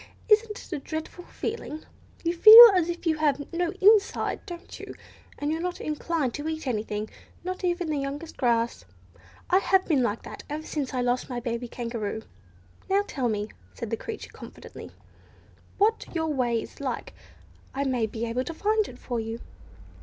Isn't it a dreadful feeling? You feel as if you had no inside, don't you? And you're not inclined to eat anything—not even the youngest grass. I have been like that ever since I lost my baby Kangaroo. Now tell me," said the creature confidentially, "what your way is like. I may be able to find it for you."